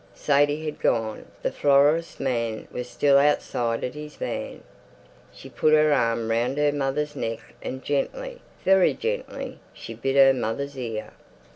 Sadie had gone. The florist's man was still outside at his van. She put her arm round her mother's neck and gently, very gently, she bit her mother's ear.